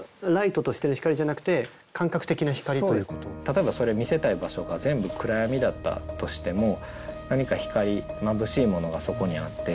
例えば見せたい場所が全部暗闇だったとしても何か光まぶしいものがそこにあって。